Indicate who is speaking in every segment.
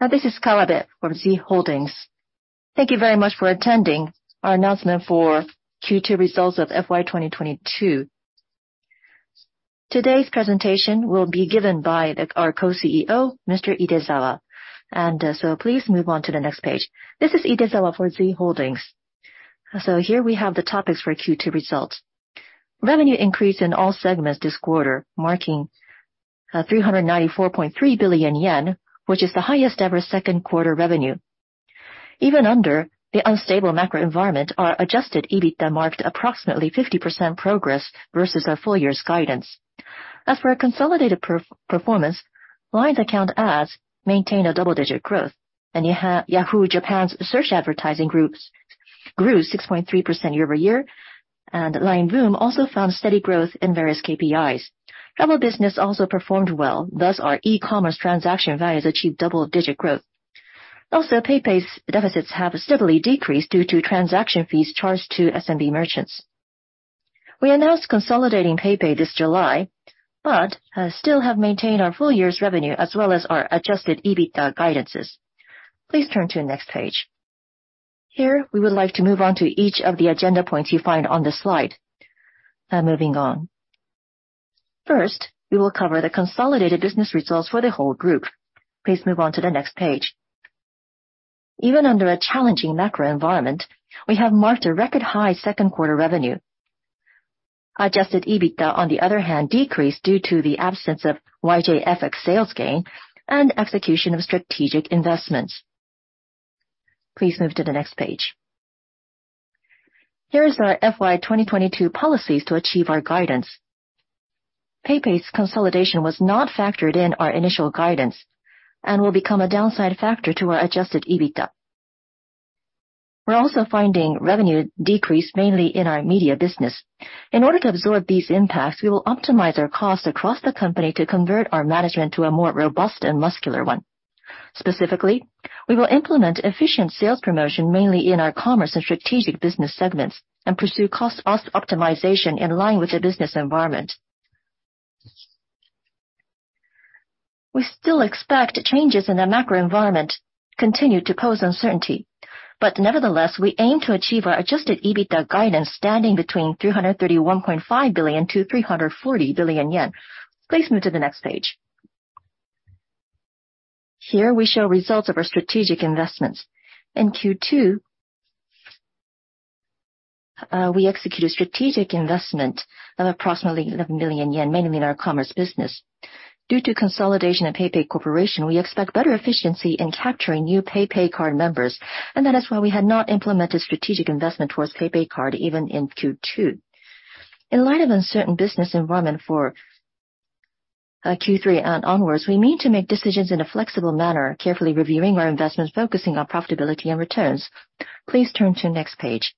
Speaker 1: This is Kawabe from Z Holdings. Thank you very much for attending our announcement for Q2 results of FY 2022. Today's presentation will be given by our co-CEO, Mr. Idezawa. Please move on to the next page.
Speaker 2: This is Idezawa for Z Holdings. Here we have the topics for Q2 results. Revenue increase in all segments this quarter, marking 394.3 billion yen, which is the highest ever second quarter revenue. Even under the unstable macro environment, our adjusted EBITDA marked approximately 50% progress versus our full year's guidance. As for our consolidated performance, LINE's account ads maintain a double-digit growth. Yahoo! JAPAN's search advertising groups grew 6.3% year-over-year, and LINE VOOM also found steady growth in various KPIs. Travel business also performed well, thus our e-commerce transaction values achieved double-digit growth. Also, PayPay's deficits have steadily decreased due to transaction fees charged to SMB merchants. We announced consolidating PayPay this July, but, still have maintained our full year's revenue as well as our adjusted EBITDA guidances. Please turn to next page. Here, we would like to move on to each of the agenda points you find on this slide. Moving on. First, we will cover the consolidated business results for the whole group. Please move on to the next page. Even under a challenging macro environment, we have marked a record high second quarter revenue. Adjusted EBITDA, on the other hand, decreased due to the absence of YJFX sales gain and execution of strategic investments. Please move to the next page. Here is our FY 2022 policies to achieve our guidance. PayPay's consolidation was not factored in our initial guidance and will become a downside factor to our adjusted EBITDA. We're also finding revenue decreased mainly in our media business. In order to absorb these impacts, we will optimize our cost across the company to convert our management to a more robust and muscular one. Specifically, we will implement efficient sales promotion mainly in our commerce and strategic business segments and pursue cost optimization in line with the business environment. We still expect changes in the macro environment continue to pose uncertainty. Nevertheless, we aim to achieve our adjusted EBITDA guidance standing between 331.5 billion and 340 billion yen. Please move to the next page. Here we show results of our strategic investments. In Q2, we executed strategic investment of approximately 11 billion yen, mainly in our commerce business. Due to consolidation of PayPay Corporation, we expect better efficiency in capturing new PayPay Card members, and that is why we had not implemented strategic investment towards PayPay Card even in Q2. In light of uncertain business environment for Q3 and onwards, we mean to make decisions in a flexible manner, carefully reviewing our investments, focusing on profitability and returns. Please turn to next page.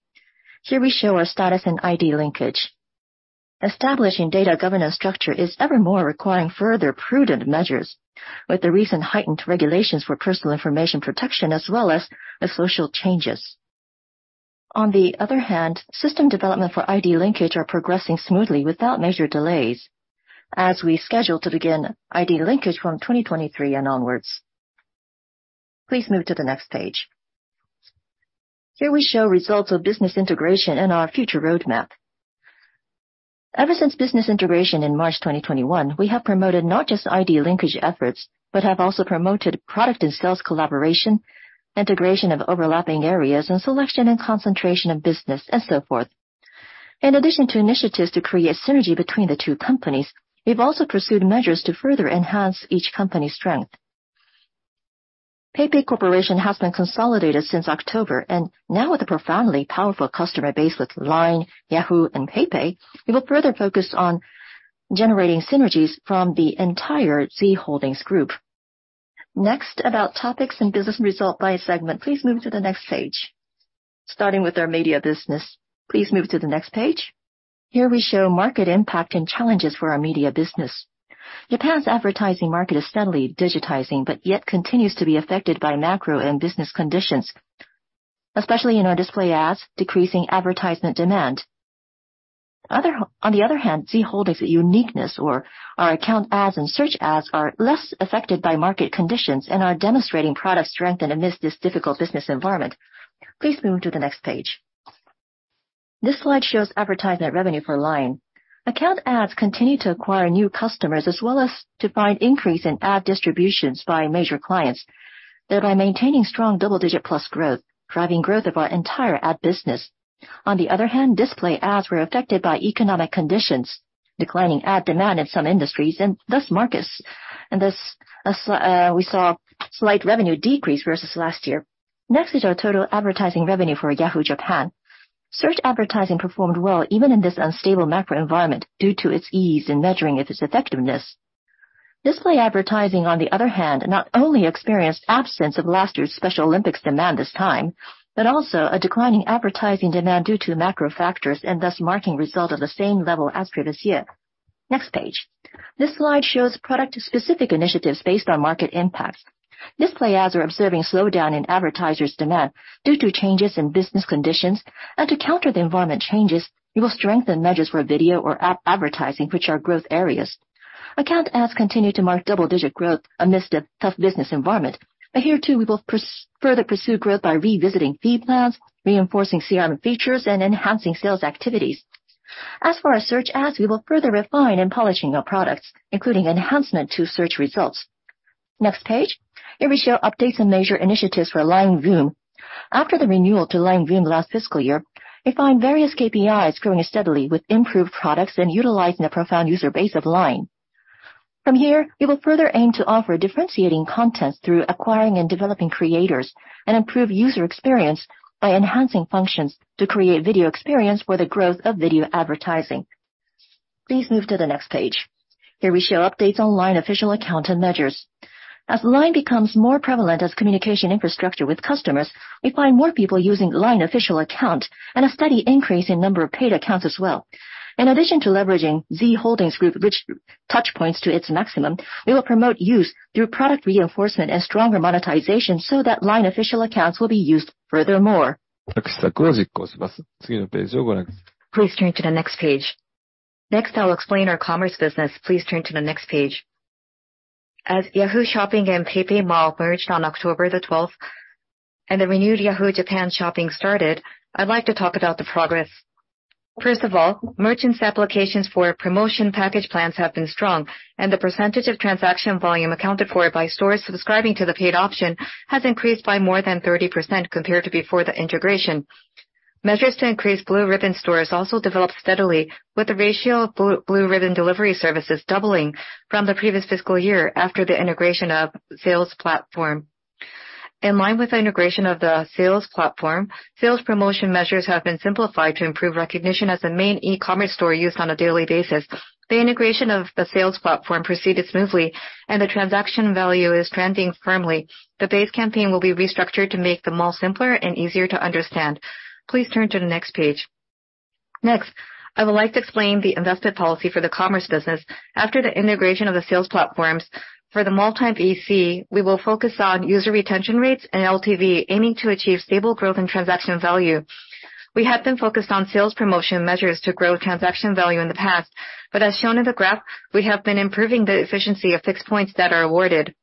Speaker 2: Here we show our status in ID linkage. Establishing data governance structure is ever more requiring further prudent measures with the recent heightened regulations for personal information protection, as well as the social changes. On the other hand, system development for ID linkage are progressing smoothly without major delays, as we schedule to begin ID linkage from 2023 and onwards. Please move to the next page. Here we show results of business integration and our future roadmap. Ever since business integration in March 2021, we have promoted not just ID linkage efforts, but have also promoted product and sales collaboration, integration of overlapping areas, and selection and concentration of business, and so forth. In addition to initiatives to create synergy between the two companies, we've also pursued measures to further enhance each company's strength. PayPay Corporation has been consolidated since October, and now with a profoundly powerful customer base with LINE, Yahoo, and PayPay, we will further focus on generating synergies from the entire Z Holdings group. Next, about topics and business results by segment. Please move to the next page. Starting with our media business. Please move to the next page. Here we show market impact and challenges for our media business. Japan's advertising market is steadily digitizing, but yet continues to be affected by macro and business conditions, especially in our display ads, decreasing advertisement demand. On the other hand, Z Holdings' uniqueness or our account ads and search ads are less affected by market conditions and are demonstrating product strength and amidst this difficult business environment. Please move to the next page. This slide shows advertisement revenue for LINE. Account ads continue to acquire new customers, as well as to find increase in ad distributions by major clients, thereby maintaining strong double-digit plus growth, driving growth of our entire ad business. On the other hand, display ads were affected by economic conditions, declining ad demand in some industries, and thus markets. Thus, we saw slight revenue decrease versus last year. Next is our total advertising revenue for Yahoo! JAPAN. Search advertising performed well even in this unstable macro environment due to its ease in measuring of its effectiveness. Display advertising, on the other hand, not only experienced absence of last year's special Olympics demand this time, but also a declining advertising demand due to macro factors, and thus marking result of the same level as previous year. Next page. This slide shows product-specific initiatives based on market impacts. Display ads are observing slowdown in advertisers' demand due to changes in business conditions. To counter the environment changes, we will strengthen measures for video or app advertising, which are growth areas. Account ads continue to make double-digit growth amidst a tough business environment. Here, too, we will further pursue growth by revisiting fee plans, reinforcing CRM features, and enhancing sales activities. As for our search ads, we will further refine and polish our products, including enhancement to search results. Next page. Here we show updates and major initiatives for LINE VOOM. After the renewal to LINE VOOM last fiscal year, we find various KPIs growing steadily with improved products and utilizing a proven user base of LINE. From here, we will further aim to offer differentiating content through acquiring and developing creators, and improve user experience by enhancing functions to create video experience for the growth of video advertising. Please move to the next page. Here we show updates on LINE official account and measures. As LINE becomes more prevalent as communication infrastructure with customers, we find more people using LINE official account and a steady increase in number of paid accounts as well. In addition to leveraging Z Holdings Group rich touch points to its maximum, we will promote use through product reinforcement and stronger monetization so that LINE official accounts will be used furthermore. Please turn to the next page. Next, I'll explain our commerce business. Please turn to the next page. As Yahoo Shopping and PayPay Mall merged on October the twelfth, and the renewed Yahoo! JAPAN Shopping started, I'd like to talk about the progress. First of all, merchants' applications for promotion package plans have been strong, and the percentage of transaction volume accounted for by stores subscribing to the paid option has increased by more than 30% compared to before the integration. Measures to increase Blue Ribbon stores also developed steadily, with the ratio of Blue Ribbon delivery services doubling from the previous fiscal year after the integration of sales platform. In line with the integration of the sales platform, sales promotion measures have been simplified to improve recognition as a main e-commerce store used on a daily basis. The integration of the sales platform proceeded smoothly, and the transaction value is trending firmly. The base campaign will be restructured to make the Mall simpler and easier to understand. Please turn to the next page. Next, I would like to explain the investment policy for the commerce business. After the integration of the sales platforms for the multi-EC, we will focus on user retention rates and LTV, aiming to achieve stable growth and transaction value. We have been focused on sales promotion measures to grow transaction value in the past, but as shown in the graph, we have been improving the efficiency of fixed points that are awarded.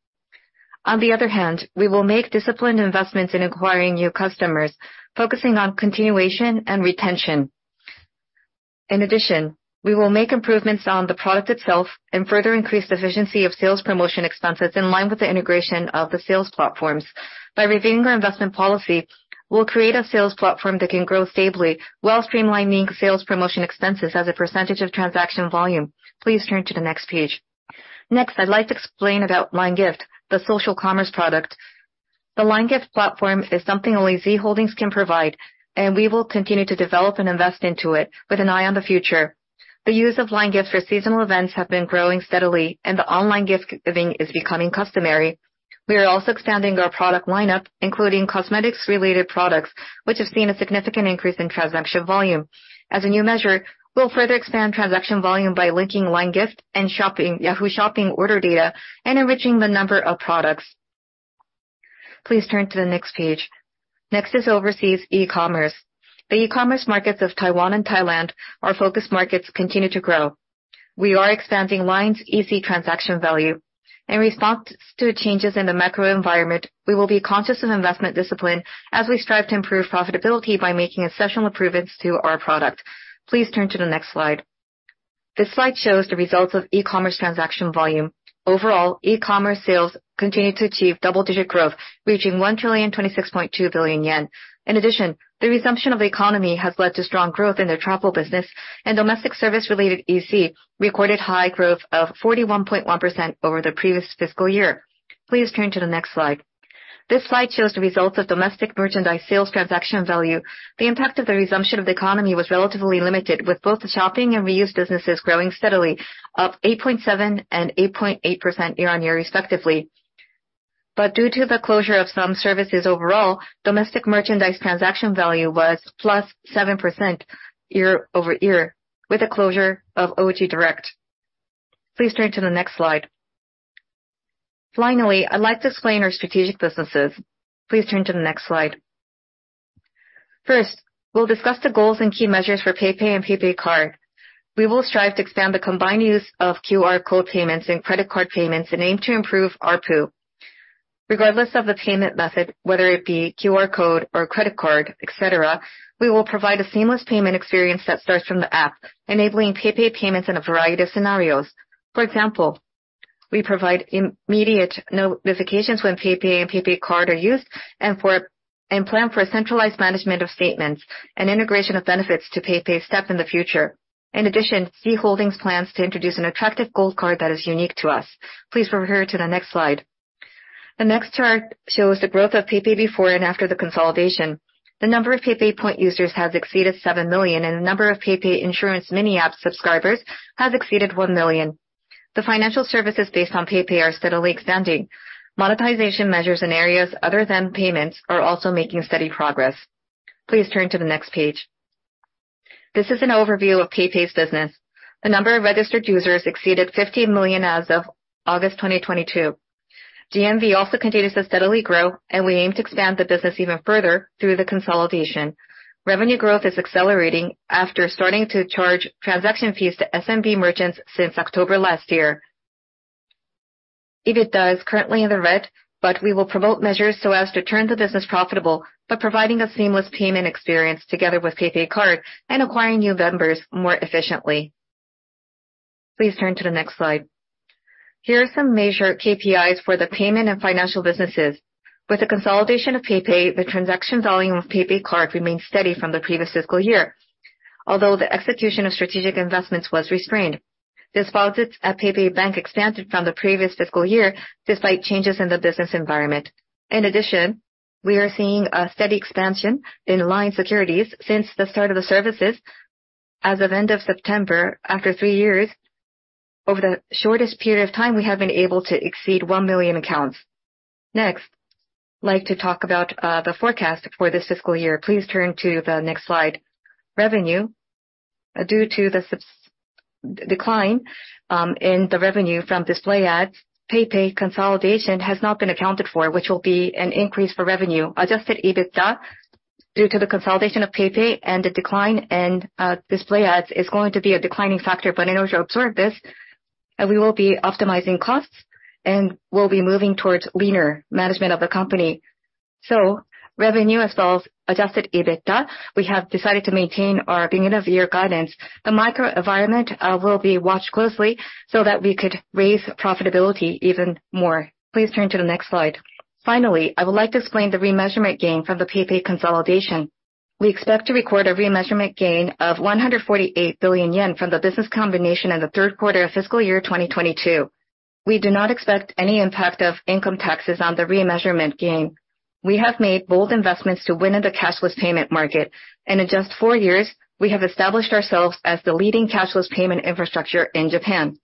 Speaker 2: On the other hand, we will make disciplined investments in acquiring new customers, focusing on continuation and retention. In addition, we will make improvements on the product itself and further increase the efficiency of sales promotion expenses in line with the integration of the sales platforms. By reviewing our investment policy, we'll create a sales platform that can grow stably while streamlining sales promotion expenses as a percentage of transaction volume. Please turn to the next page. Next, I'd like to explain about LINE Gift, the social commerce product. The LINE Gift platform is something only Z Holdings can provide, and we will continue to develop and invest into it with an eye on the future. The use of LINE Gift for seasonal events have been growing steadily and the online gift-giving is becoming customary. We are also expanding our product lineup, including cosmetics-related products, which have seen a significant increase in transaction volume. As a new measure, we'll further expand transaction volume by linking LINE Gift and Shopping, Yahoo Shopping order data and enriching the number of products. Please turn to the next page. Next is overseas e-commerce. The e-commerce markets of Taiwan and Thailand, our focus markets, continue to grow. We are expanding LINE's EC transaction value. In response to changes in the macro environment, we will be conscious of investment discipline as we strive to improve profitability by making exceptional improvements to our product. Please turn to the next slide. This slide shows the results of e-commerce transaction volume. Overall, e-commerce sales continue to achieve double-digit growth, reaching 1,026.2 billion yen. In addition, the resumption of the economy has led to strong growth in the travel business, and domestic service-related EC recorded high growth of 41.1% over the previous fiscal year. Please turn to the next slide. This slide shows the results of domestic merchandise sales transaction value. The impact of the resumption of the economy was relatively limited, with both the Shopping and reused businesses growing steadily at 8.7% and 8.8% year-over-year respectively. Due to the closure of some services overall, domestic merchandise transaction value was +7% year-over-year with the closure of OT Direct. Please turn to the next slide. Finally, I'd like to explain our strategic businesses. Please turn to the next slide. First, we'll discuss the goals and key measures for PayPay and PayPay Card. We will strive to expand the combined use of QR code payments and credit card payments and aim to improve ARPU. Regardless of the payment method, whether it be QR code or credit card, et cetera, we will provide a seamless payment experience that starts from the app, enabling PayPay payments in a variety of scenarios. For example, we provide immediate notifications when PayPay and PayPay Card are used, and plan for a centralized management of statements and integration of benefits to PayPay Step in the future. In addition, Z Holdings plans to introduce an attractive gold card that is unique to us. Please refer to the next slide. The next chart shows the growth of PayPay before and after the consolidation. The number of PayPay points users has exceeded 7 million, and the number of PayPay Insurance mini app subscribers has exceeded 1 million. The financial services based on PayPay are steadily expanding. Monetization measures in areas other than payments are also making steady progress. Please turn to the next page. This is an overview of PayPay's business. The number of registered users exceeded 50 million as of August 2022. GMV also continues to steadily grow, and we aim to expand the business even further through the consolidation. Revenue growth is accelerating after starting to charge transaction fees to SMB merchants since October last year. EBITDA is currently in the red, but we will promote measures so as to turn the business profitable by providing a seamless payment experience together with PayPay Card and acquiring new members more efficiently. Please turn to the next slide. Here are some major KPIs for the payment and financial businesses. With the consolidation of PayPay, the transaction volume of PayPay Card remained steady from the previous fiscal year, although the execution of strategic investments was restrained. Deposits at PayPay Bank expanded from the previous fiscal year despite changes in the business environment. In addition, we are seeing a steady expansion in LINE Securities since the start of the services. As of end of September, after 3 years, over the shortest period of time, we have been able to exceed 1 million accounts. Next, I'd like to talk about the forecast for this fiscal year. Please turn to the next slide. Revenue. Due to the decline in the revenue from display ads, PayPay consolidation has not been accounted for, which will be an increase for revenue. Adjusted EBITDA, due to the consolidation of PayPay and the decline in display ads, is going to be a declining factor. In order to absorb this, we will be optimizing costs and we'll be moving towards leaner management of the company. Revenue as well as adjusted EBITDA, we have decided to maintain our beginning of year guidance. The macro environment will be watched closely so that we could raise profitability even more. Please turn to the next slide. Finally, I would like to explain the remeasurement gain from the PayPay consolidation. We expect to record a remeasurement gain of 148 billion yen from the business combination in the third quarter of fiscal year 2022. We do not expect any impact of income taxes on the remeasurement gain. We have made bold investments to win in the cashless payment market, and in just four years, we have established ourselves as the leading cashless payment infrastructure in Japan.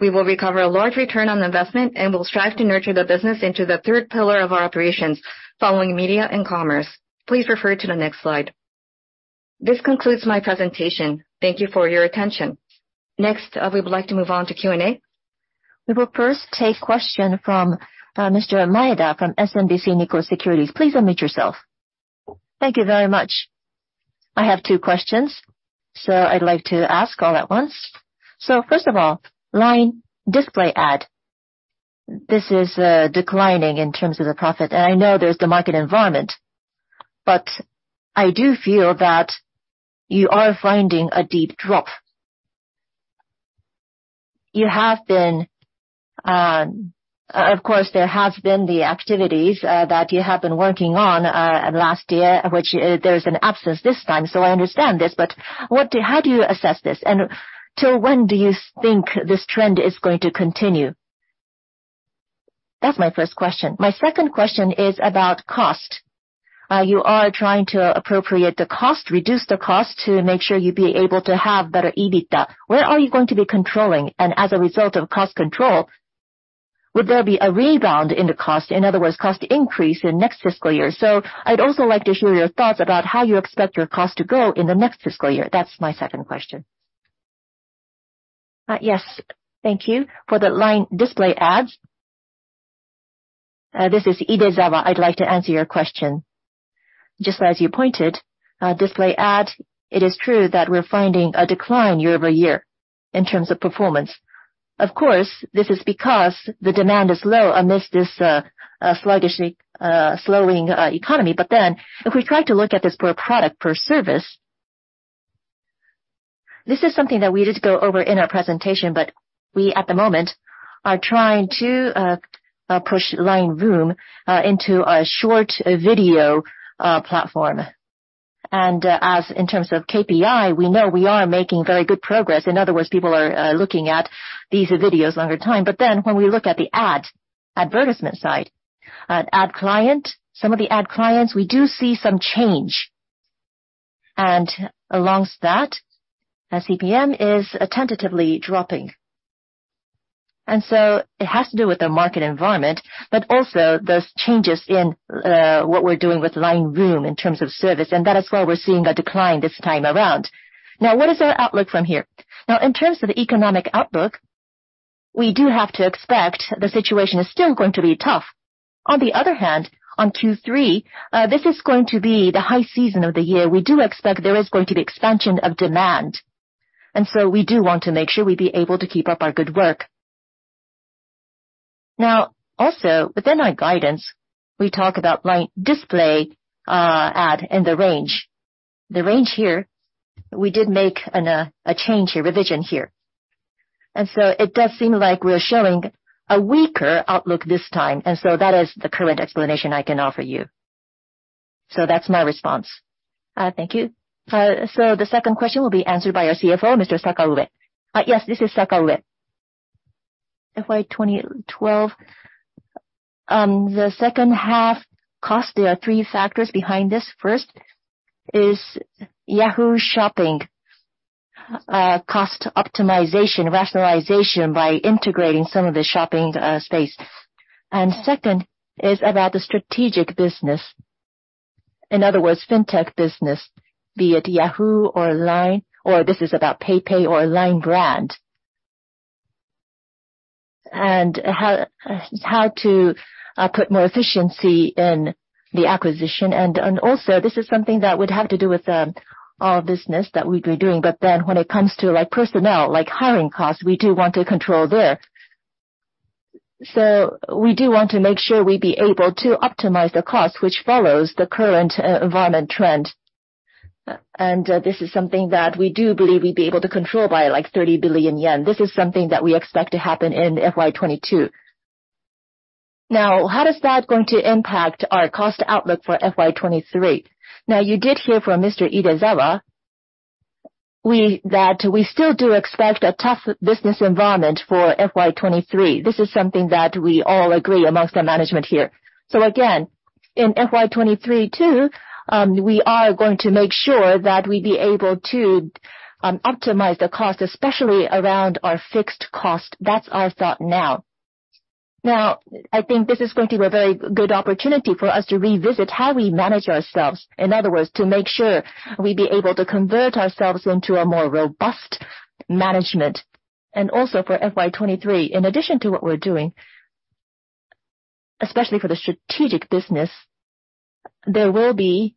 Speaker 2: We will recover a large return on investment and will strive to nurture the business into the third pillar of our operations following media and commerce. Please refer to the next slide. This concludes my presentation. Thank you for your attention. Next, we would like to move on to Q&A.
Speaker 3: We will first take question from Mr. Maeda from SMBC Nikko Securities. Please unmute yourself.
Speaker 4: Thank you very much. I have two questions, so I'd like to ask all at once. First of all, LINE display ad. This is declining in terms of the profit. I know there's the market environment, but I do feel that you are seeing a deep drop. Of course, there has been the activities that you have been working on last year, which there's an absence this time, so I understand this. How do you assess this? And till when do you think this trend is going to continue? That's my first question. My second question is about cost. You are trying to appropriate the cost, reduce the cost to make sure you'd be able to have better EBITDA. Where are you going to be controlling? As a result of cost control, would there be a rebound in the cost, in other words, cost increase in next fiscal year? I'd also like to hear your thoughts about how you expect your cost to go in the next fiscal year. That's my second question.
Speaker 2: Yes. Thank you. For the LINE display ads, this is Idezawa. I'd like to answer your question. Just as you pointed, display ad, it is true that we're finding a decline year-over-year in terms of performance. Of course, this is because the demand is low amidst this slowing economy. If we try to look at this per product, per service, this is something that we did go over in our presentation, but we, at the moment, are trying to push LINE VOOM into a short video platform. As in terms of KPI, we know we are making very good progress. In other words, people are looking at these videos longer time. When we look at the ad, advertisement side, ad client, some of the ad clients, we do see some change. Alongside that, CPM is tentatively dropping. It has to do with the market environment, but also those changes in what we're doing with LINE VOOM in terms of service, and that is why we're seeing a decline this time around. Now, what is our outlook from here? Now, in terms of the economic outlook, we do have to expect the situation is still going to be tough. On the other hand, on Q3, this is going to be the high season of the year. We do expect there is going to be expansion of demand, and so we do want to make sure we be able to keep up our good work. Now, also, within our guidance, we talk about LINE display ad and the range. The range here, we did make a change here, revision here. It does seem like we're showing a weaker outlook this time, and so that is the current explanation I can offer you. That's my response. Thank you. The second question will be answered by our CFO, Mr. Sakaue.
Speaker 5: Yes, this is Sakaue. FY 2012, the second half cost, there are three factors behind this. First is Yahoo Shopping cost optimization, rationalization by integrating some of the Shopping space. Second is about the strategic business. In other words, fintech business, be it Yahoo or LINE, or this is about PayPay or LINE brand. How to put more efficiency in the acquisition. Also this is something that would have to do with our business that we'd be doing. When it comes to like personnel, like hiring costs, we do want to control there. We do want to make sure we be able to optimize the cost which follows the current environment trend. This is something that we do believe we'd be able to control by like 30 billion yen. This is something that we expect to happen in FY 2022. Now, how does that going to impact our cost outlook for FY 2023? Now, you did hear from Mr. Idezawa that we still do expect a tough business environment for FY 2023. This is something that we all agree among the management here. Again, in FY 2023 too, we are going to make sure that we be able to optimize the cost, especially around our fixed cost. That's our thought now. Now, I think this is going to be a very good opportunity for us to revisit how we manage ourselves. In other words, to make sure we be able to convert ourselves into a more robust management. Also for FY 2023, in addition to what we're doing, especially for the strategic business, there will be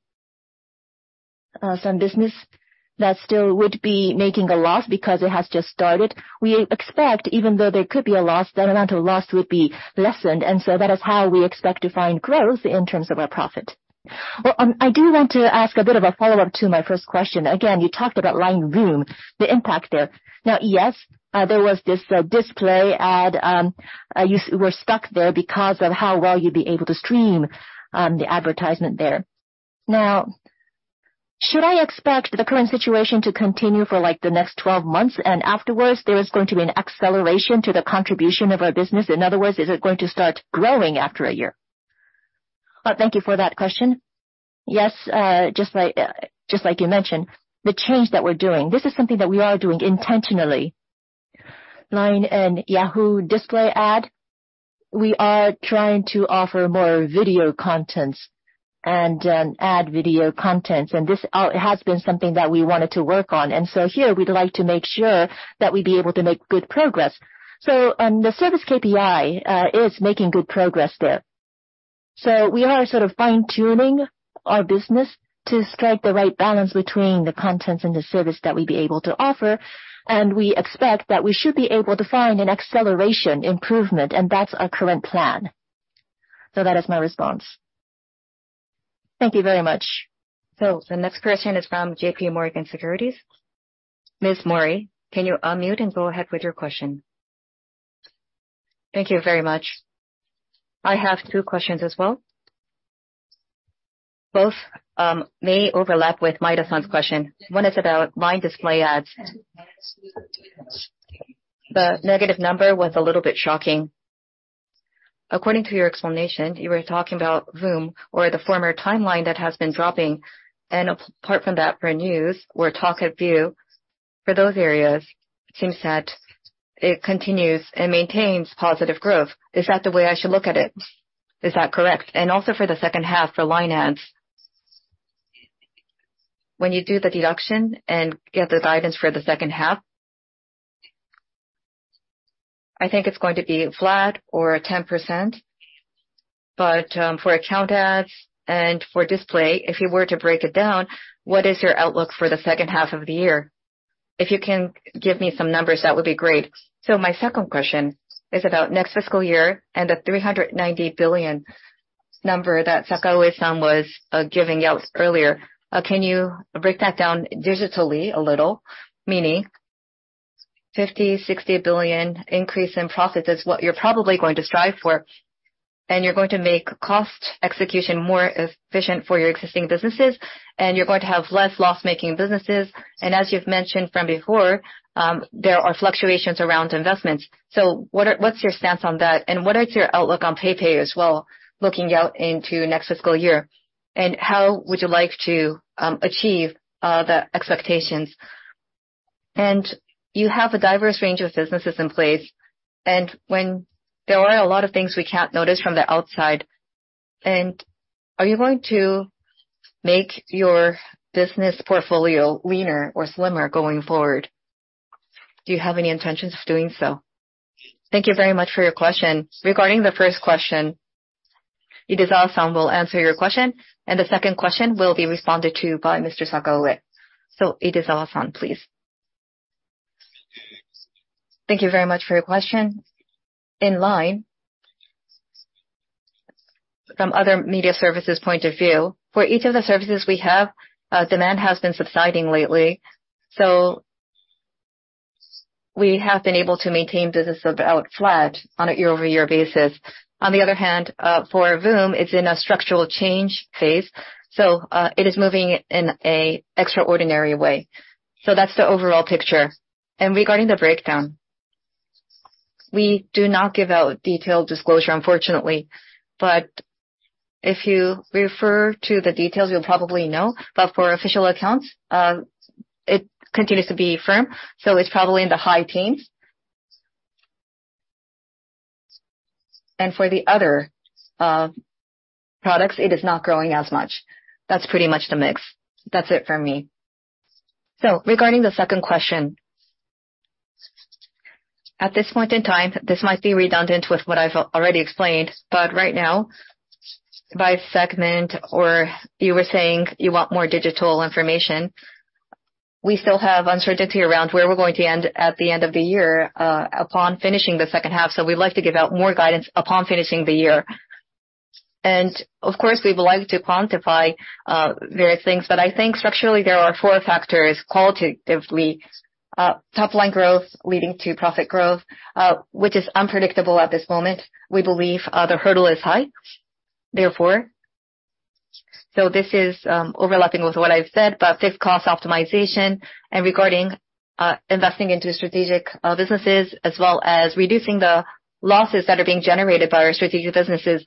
Speaker 5: some business that still would be making a loss because it has just started. We expect, even though there could be a loss, that amount of loss would be lessened, and so that is how we expect to find growth in terms of our profit.
Speaker 4: Well, I do want to ask a bit of a follow-up to my first question. Again, you talked about LINE VOOM, the impact there. Now, yes, there was this display ad, you were stuck there because of how well you'd be able to stream the advertisement there. Now, should I expect the current situation to continue for like the next 12 months, and afterwards there is going to be an acceleration to the contribution of our business? In other words, is it going to start growing after a year?
Speaker 2: Well, thank you for that question. Yes, just like you mentioned, the change that we're doing, this is something that we are doing intentionally. LINE and Yahoo display ad, we are trying to offer more video contents and ad video contents, and this has been something that we wanted to work on. Here we'd like to make sure that we'd be able to make good progress. The service KPI is making good progress there. We are sort of fine-tuning our business to strike the right balance between the contents and the service that we'd be able to offer, and we expect that we should be able to find an acceleration improvement, and that's our current plan. That is my response.
Speaker 4: Thank you very much.
Speaker 3: The next question is from J.P. Morgan Securities. Ms. Mori, can you unmute and go ahead with your question?
Speaker 6: Thank you very much. I have two questions as well. Both may overlap with Maeda-san's question. One is about LINE display ads. The negative number was a little bit shocking. According to your explanation, you were talking about VOOM or the former timeline that has been dropping. Apart from that, for news or Talk Head View, for those areas, it seems that it continues and maintains positive growth. Is that the way I should look at it? Is that correct? Also for the second half for LINE ads. When you do the deduction and get the guidance for the second half. I think it's going to be flat or 10%. For account ads and for display, if you were to break it down, what is your outlook for the second half of the year? If you can give me some numbers, that would be great. My second question is about next fiscal year and the 390 billion number that Sakaue-san was giving out earlier. Can you break that down digitally a little? Meaning 50 billion-60 billion increase in profit is what you're probably going to strive for, and you're going to make cost execution more efficient for your existing businesses, and you're going to have less loss-making businesses. As you've mentioned from before, there are fluctuations around investments. What's your stance on that, and what is your outlook on PayPay as well, looking out into next fiscal year? How would you like to achieve the expectations? You have a diverse range of businesses in place, and when there are a lot of things we can't notice from the outside, and are you going to make your business portfolio leaner or slimmer going forward? Do you have any intentions of doing so?
Speaker 1: Thank you very much for your question. Regarding the first question, Idezawa-san will answer your question, and the second question will be responded to by Mr. Sakaue. Idezawa-san, please.
Speaker 2: Thank you very much for your question. In LINE, from other media services point of view, for each of the services we have, demand has been subsiding lately, so we have been able to maintain business about flat on a year-over-year basis. On the other hand, for VOOM, it's in a structural change phase, so it is moving in an extraordinary way. That's the overall picture. Regarding the breakdown, we do not give out detailed disclosure, unfortunately. If you refer to the details, you'll probably know. For official accounts, it continues to be firm, so it's probably in the high teens. For the other products, it is not growing as much. That's pretty much the mix. That's it for me.
Speaker 5: Regarding the second question, at this point in time, this might be redundant with what I've already explained, but right now, by segment or you were saying you want more detailed information, we still have uncertainty around where we're going to end at the end of the year, upon finishing the second half. We'd like to give out more guidance upon finishing the year. Of course, we would like to quantify various things. I think structurally, there are four factors qualitatively, top line growth leading to profit growth, which is unpredictable at this moment. We believe the hurdle is high, therefore. This is overlapping with what I've said about this cost optimization and regarding investing into strategic businesses as well as reducing the losses that are being generated by our strategic businesses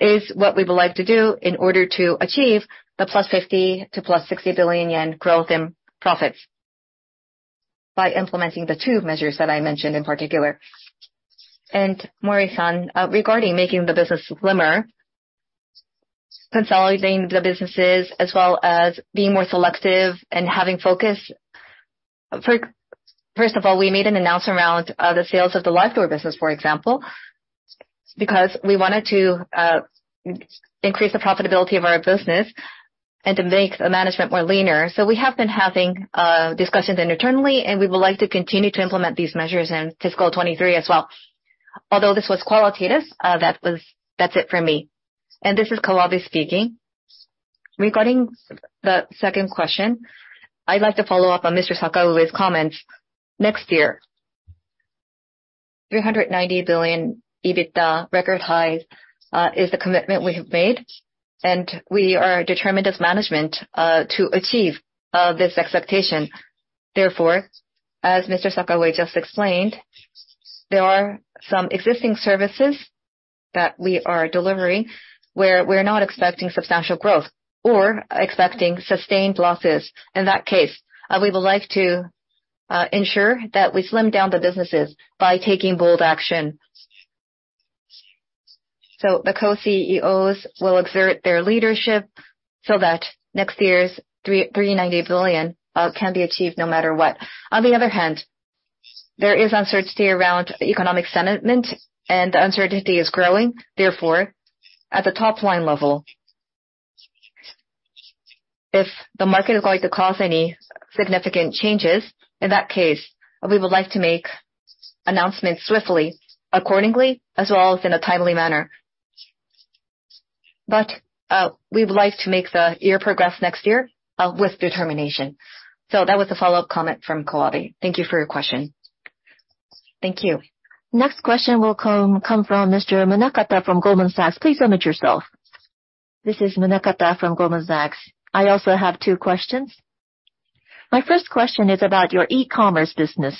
Speaker 5: is what we would like to do in order to achieve the +50 billion yen to +60 billion yen growth in profits by implementing the two measures that I mentioned in particular. Mori-san, regarding making the business slimmer, consolidating the businesses, as well as being more selective and having focus. First of all, we made an announcement around the sales of the Livedoor business, for example, because we wanted to increase the profitability of our business and to make the management leaner. We have been having discussions internally, and we would like to continue to implement these measures in fiscal 2023 as well. Although this was qualitative, that's it for me.
Speaker 1: This is Kawabe speaking. Regarding the second question, I'd like to follow up on Mr. Sakaue's comments. Next year, 390 billion EBITDA record high is the commitment we have made, and we are determined as management to achieve this expectation. Therefore, as Mr. Sakaue just explained, there are some existing services that we are delivering where we're not expecting substantial growth or expecting sustained losses. In that case, we would like to ensure that we slim down the businesses by taking bold action. The co-CEOs will exert their leadership so that next year's 390 billion can be achieved no matter what. On the other hand, there is uncertainty around economic sentiment, and uncertainty is growing. Therefore, at the top line level, if the market is going to cause any significant changes, in that case, we would like to make announcements swiftly, accordingly, as well as in a timely manner. We would like to make the year progress next year with determination.
Speaker 3: That was a follow-up comment from Kawabe. Thank you for your question. Thank you. Next question will come from Mr. Munakata from Goldman Sachs. Please unmute yourself.
Speaker 7: This is Munakata from Goldman Sachs. I also have two questions. My first question is about your e-commerce business.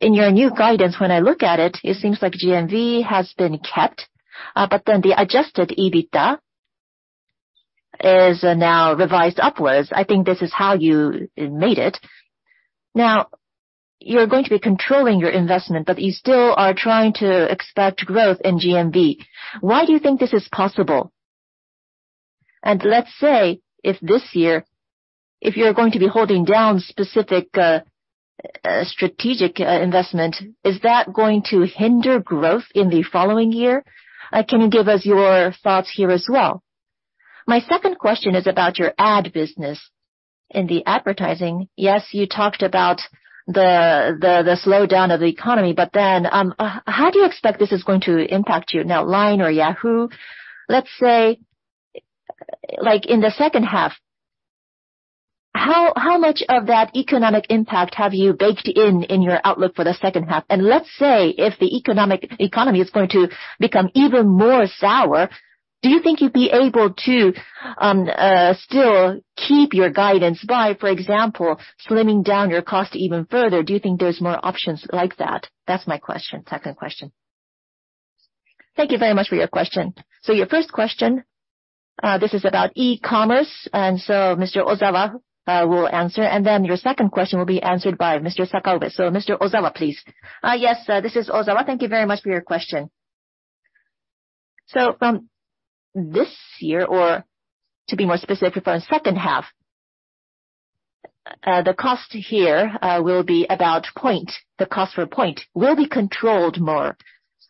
Speaker 7: In your new guidance, when I look at it seems like GMV has been kept, but then the adjusted EBITDA is now revised upwards. I think this is how you made it. You're going to be controlling your investment, but you still are trying to expect growth in GMV. Why do you think this is possible? Let's say if this year, if you're going to be holding down specific strategic investment, is that going to hinder growth in the following year? Can you give us your thoughts here as well? My second question is about your ad business. In the advertising, yes, you talked about the slowdown of the economy, but then, how do you expect this is going to impact you? Now, LINE or Yahoo, let's say, like in the second half, how much of that economic impact have you baked in in your outlook for the second half? Let's say if the economy is going to become even more sour, do you think you'd be able to still keep your guidance by, for example, slimming down your cost even further? Do you think there's more options like that? That's my question. Second question.
Speaker 1: Thank you very much for your question. Your first question, this is about e-commerce, and so Mr. Ozawa will answer, and then your second question will be answered by Mr. Sakaue. Mr. Ozawa, please.
Speaker 8: Yes, this is Ozawa. Thank you very much for your question. From this year, or to be more specific, for the second half, the cost here will be about point. The cost per point will be controlled more,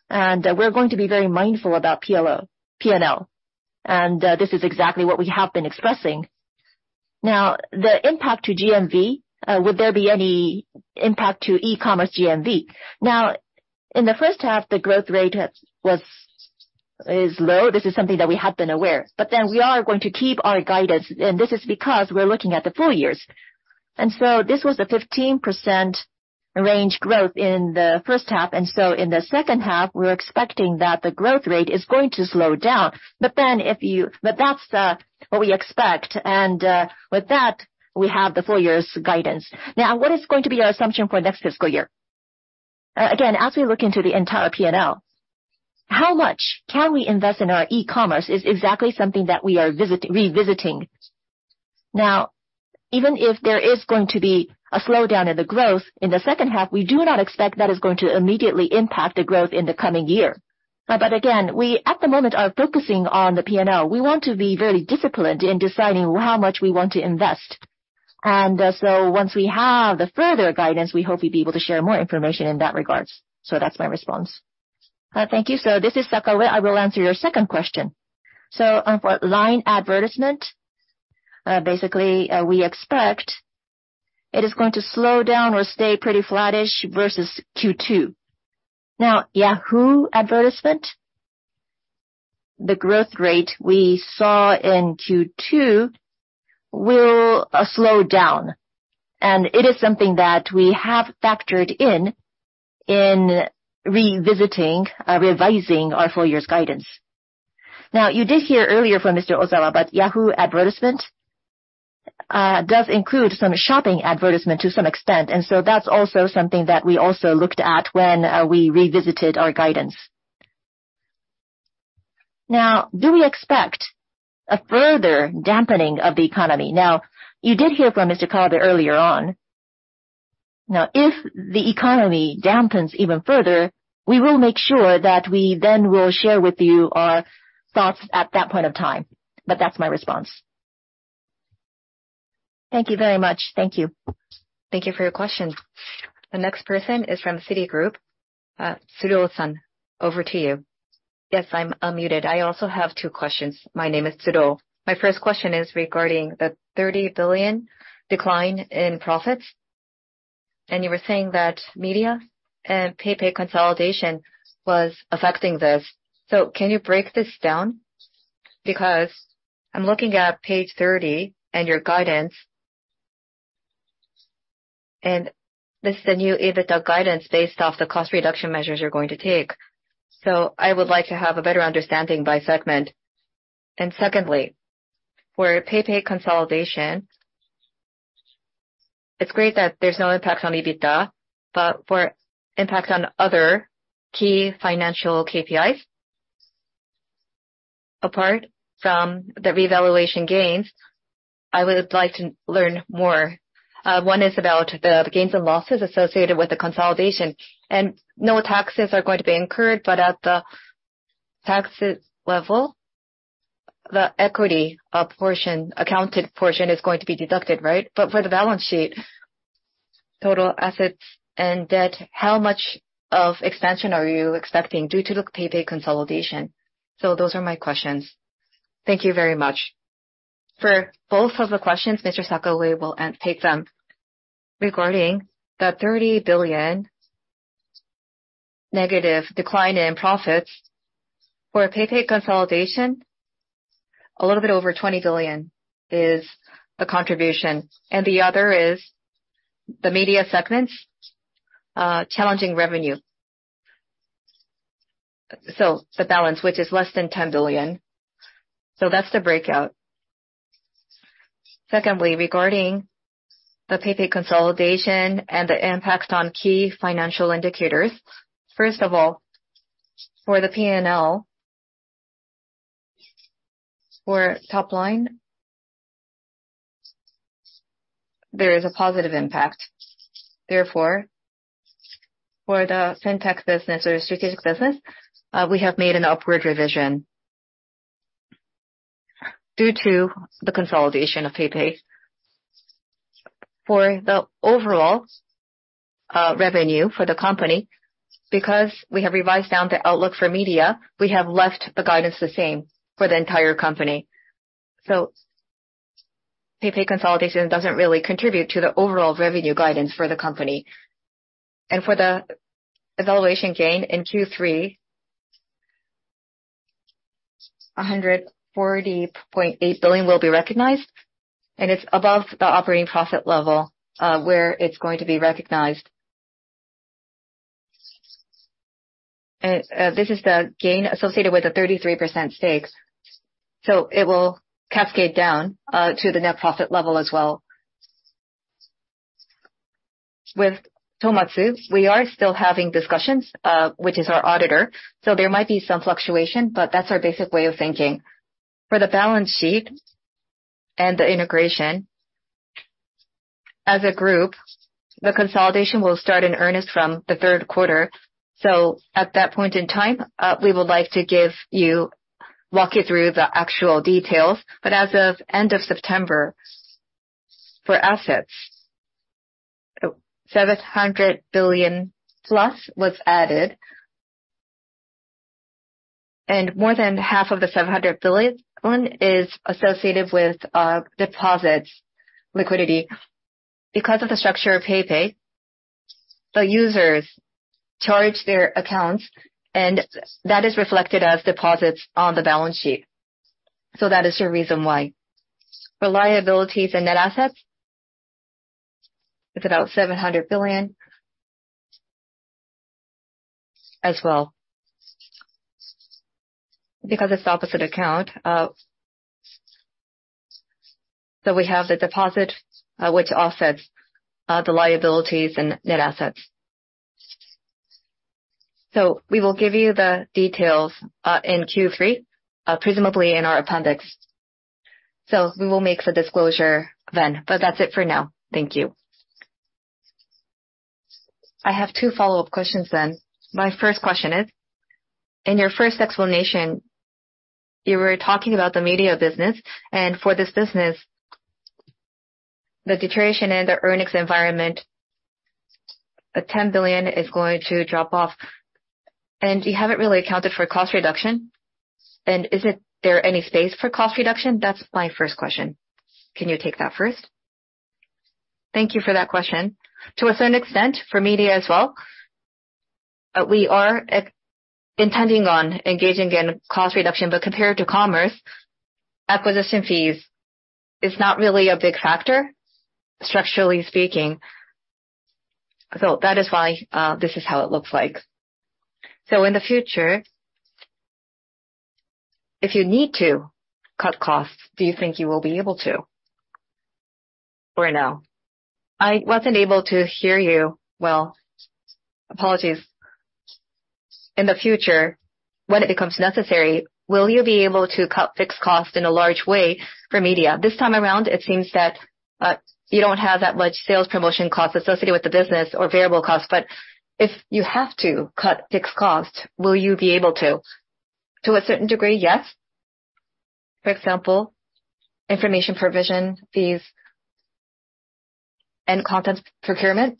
Speaker 8: and we're going to be very mindful about P&L. This is exactly what we have been expressing. Now, the impact to GMV, would there be any impact to e-commerce GMV? Now, in the first half, the growth rate was low. This is something that we have been aware. We are going to keep our guidance, and this is because we're looking at the full years. This was a 15% range growth in the first half, and in the second half, we're expecting that the growth rate is going to slow down. That's what we expect. With that, we have the full year's guidance. Now, what is going to be our assumption for next fiscal year? Again, as we look into the entire P&L, how much can we invest in our e-commerce is exactly something that we are revisiting. Now, even if there is going to be a slowdown in the growth in the second half, we do not expect that is going to immediately impact the growth in the coming year. Again, we at the moment are focusing on the P&L. We want to be very disciplined in deciding how much we want to invest. Once we have the further guidance, we hope we'll be able to share more information in that regards. That's my response.
Speaker 5: Thank you. This is Sakaue. I will answer your second question. For LINE advertisement, basically, we expect it is going to slow down or stay pretty flattish versus Q2. Now, Yahoo advertisement, the growth rate we saw in Q2 will slow down, and it is something that we have factored in revising our full year's guidance. You did hear earlier from Mr. Ozawa. Yahoo advertisement does include some Shopping advertisement to some extent, and so that's also something that we also looked at when we revisited our guidance. Now, do we expect a further dampening of the economy? Now, you did hear from Mr. Kawabe earlier on. Now, if the economy dampens even further, we will make sure that we then will share with you our thoughts at that point of time. But that's my response.
Speaker 7: Thank you very much. Thank you.
Speaker 3: Thank you for your question. The next person is from Citigroup. Tsuru-san, over to you.
Speaker 9: Yes, I'm unmuted. I also have two questions. My name is Tsuru. My first question is regarding the 30 billion decline in profits, and you were saying that media and PayPay consolidation was affecting this. Can you break this down? Because I'm looking at page 30 and your guidance, and this is the new EBITDA guidance based off the cost reduction measures you're going to take. I would like to have a better understanding by segment. Secondly, for PayPay consolidation, it's great that there's no impact on EBITDA, but for impact on other key financial KPIs, apart from the revaluation gains, I would like to learn more. One is about the gains and losses associated with the consolidation. No taxes are going to be incurred, but at the taxes level, the equity portion accounted portion is going to be deducted, right? But for the balance sheet, total assets and debt, how much of expansion are you expecting due to the PayPay consolidation? Those are my questions. Thank you very much.
Speaker 1: For both of the questions, Mr. Sakaue will take them.
Speaker 5: Regarding the 30 billion negative decline in profits for PayPay consolidation, a little bit over 20 billion is the contribution, and the other is the media segment's challenging revenue. The balance, which is less than 10 billion. That's the breakout. Secondly, regarding the PayPay consolidation and the impact on key financial indicators, first of all, for the P&L, for top line, there is a positive impact. Therefore, for the Fintech business or strategic business, we have made an upward revision due to the consolidation of PayPay. For the overall revenue for the company, because we have revised down the outlook for media, we have left the guidance the same for the entire company. PayPay consolidation doesn't really contribute to the overall revenue guidance for the company. For the evaluation gain in Q3, 140.8 billion will be recognized, and it's above the operating profit level, where it's going to be recognized. This is the gain associated with the 33% stakes. It will cascade down to the net profit level as well. With Tohmatsu, we are still having discussions, which is our auditor. There might be some fluctuation, but that's our basic way of thinking. For the balance sheet and the integration, as a group, the consolidation will start in earnest from the third quarter. At that point in time, we would like to walk you through the actual details. As of end of September, for assets, +JPY 700 billion was added, and more than half of the 700 billion is associated with deposits liquidity. Because of the structure of PayPay, the users charge their accounts, and that is reflected as deposits on the balance sheet. That is the reason why. For liabilities and net assets, it's about JPY 700 billion as well. Because it's opposite account, we have the deposit, which offsets the liabilities and net assets. We will give you the details in Q3, presumably in our appendix. We will make the disclosure then, but that's it for now. Thank you.
Speaker 9: I have two follow-up questions. My first question is, in your first explanation, you were talking about the media business, and for this business, the deterioration in the earnings environment, 10 billion is going to drop off, and you haven't really accounted for cost reduction. Is there any space for cost reduction? That's my first question. Can you take that first?
Speaker 5: Thank you for that question. To a certain extent, for media as well, we are intending on engaging in cost reduction, but compared to commerce, acquisition fees is not really a big factor, structurally speaking. That is why, this is how it looks like.
Speaker 9: In the future, if you need to cut costs, do you think you will be able to? For now.
Speaker 5: I wasn't able to hear you well. Apologies.
Speaker 9: In the future, when it becomes necessary, will you be able to cut fixed costs in a large way for media? This time around, it seems that, you don't have that much sales promotion costs associated with the business or variable costs. But if you have to cut fixed costs, will you be able to?
Speaker 5: To a certain degree, yes. For example, information provision fees and content procurement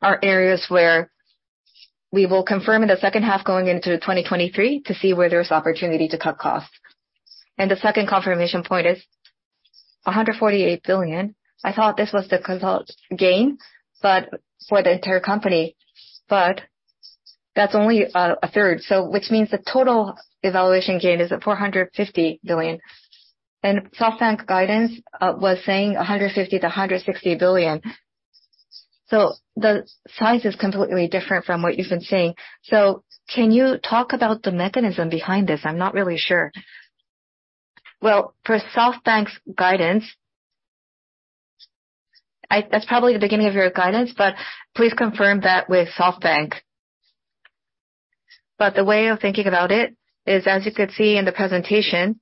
Speaker 5: are areas where we will confirm in the second half going into 2023 to see where there's opportunity to cut costs.
Speaker 9: The second confirmation point is 148 billion. I thought this was the consult gain, but for the entire company. That's only a third. Which means the total valuation gain is at 450 billion. SoftBank guidance was saying 150 billion-160 billion. The size is completely different from what you've been saying. Can you talk about the mechanism behind this? I'm not really sure.
Speaker 5: Well, for SoftBank's guidance, that's probably the beginning of your guidance, but please confirm that with SoftBank. The way of thinking about it is, as you could see in the presentation,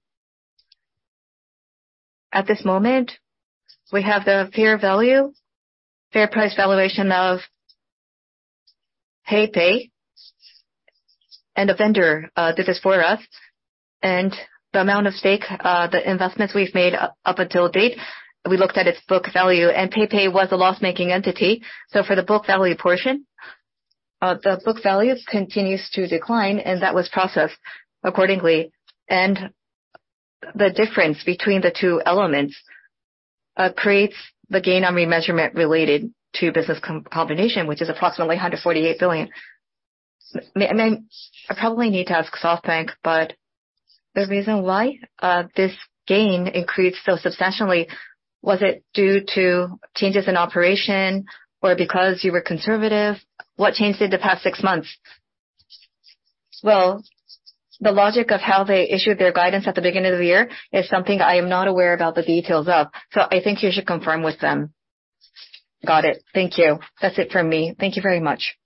Speaker 5: at this moment, we have the fair value, fair price valuation of PayPay, and the vendor did this for us. The amount of stake, the investments we've made up until date, we looked at its book value, and PayPay was a loss-making entity. For the book value portion, the book value continues to decline, and that was processed accordingly. The difference between the two elements creates the gain on remeasurement related to business combination, which is approximately 148 billion.
Speaker 9: I probably need to ask SoftBank, but the reason why this gain increased so substantially, was it due to changes in operation or because you were conservative? What changed in the past six months?
Speaker 5: Well, the logic of how they issued their guidance at the beginning of the year is something I am not aware about the details of. I think you should confirm with them.
Speaker 9: Got it. Thank you. That's it from me. Thank you very much.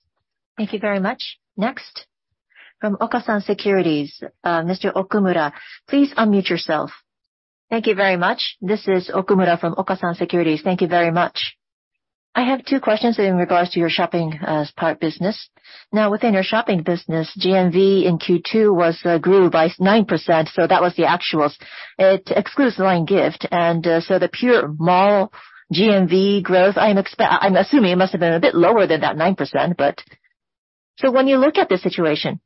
Speaker 3: Thank you very much. Next from Okasan Securities, Mr. Okumura, please unmute yourself.
Speaker 10: Thank you very much. This is Okumura from Okasan Securities. Thank you very much. I have two questions in regards to your Shopping part business. Now, within your Shopping business, GMV in Q2 grew by 9%, so that was the actuals. It excludes LINE Gift. The pure Mall GMV growth, I'm assuming it must have been a bit lower than that 9%, but. When you look at the situation,